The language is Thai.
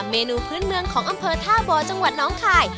เมนูพื้นเมืองของอำเภอท่าบ่อจังหวัดน้องคาย